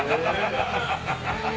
ハハハハハ！